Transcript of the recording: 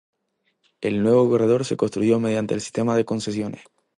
El nuevo corredor se construyó mediante el sistema de concesiones.